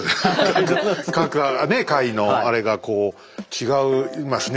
各階のあれがこう違いますね